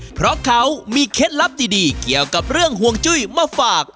เพราะเขามีเคล็ดลับดีเกี่ยวกับเรื่องห่วงจุ้ยมาฝาก